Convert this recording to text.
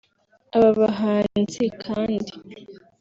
Aba bahanzi kandi